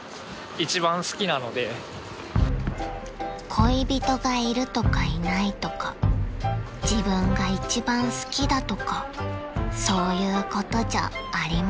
［恋人がいるとかいないとか自分が一番好きだとかそういうことじゃありません］